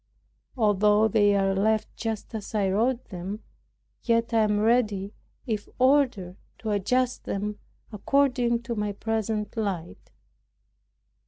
Although they are left just as I wrote them, yet I am ready, if ordered, to adjust them according to my present light.